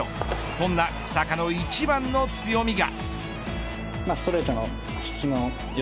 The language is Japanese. そんな草加の一番の強みが。